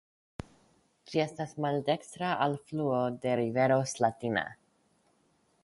Ĝi estas maldekstra alfluo de rivero Slatina.